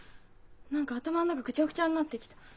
何か頭の中ぐちゃぐちゃになってきた。